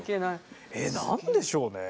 えっ何でしょうね。